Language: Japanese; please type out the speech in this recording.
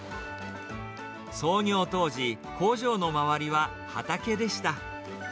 創業当時、工場の周りは畑でした。